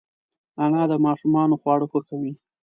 انا د ماشومانو خواړه خوښوي